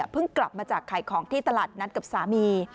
กลับมาจากขายของที่ตลาดนัดกับสามี